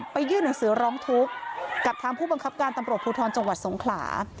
ไปยื่นหนังสือร้องทุกกับทางผู้บังคับการตำรวจพจสงขลา